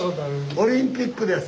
オリンピックです。